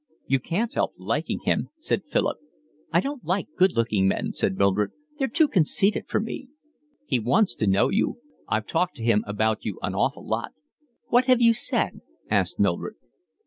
"You can't help liking him," said Philip. "I don't like good looking men," said Mildred. "They're too conceited for me." "He wants to know you. I've talked to him about you an awful lot." "What have you said?" asked Mildred.